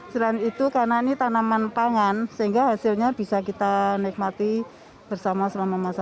selain itu karena ini tanaman pangan sehingga hasilnya bisa kita nikmati bersama selama masa